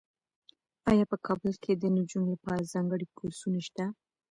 ایا په کابل کې د نجونو لپاره ځانګړي کورسونه شته؟